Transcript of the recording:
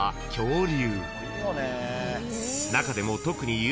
［中でも］